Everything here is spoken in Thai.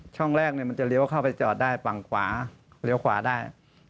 ช่องแรกมันจะเลี้ยวเข้าไปจอดได้ฝั่งขวาเลี้ยวขวาได้